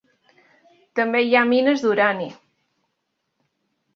També hi ha mines d'urani.